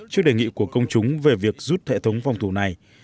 trước đề nghị của công chúng về việc rút hệ thống phòng thủ này